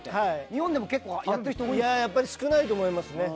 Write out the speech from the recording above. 日本でも結構やってる人少ないと思いますね。